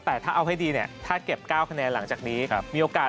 แต่ถ้าเอาให้ดีถ้าเก็บ๙คะแนนหลังจากนี้มีโอกาส